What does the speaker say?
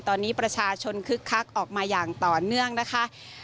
ตอนนี้ประชาชนคึกคักออกมาอย่างต่อเนื่องนะคะ